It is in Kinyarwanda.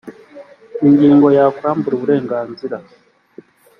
ingingo ya kwambura uburenganzira